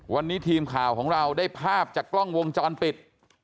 วันนี้ทีมข่าวของเราได้ภาพจากกล้องวงจรปิด